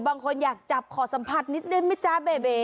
บางคนอยากจับขอสัมผัสนิดได้ไหมจ๊ะเบ